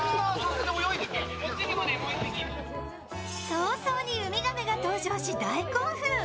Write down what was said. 早々にウミガメが登場し大興奮。